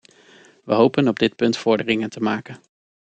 We hopen op dit punt vorderingen te maken.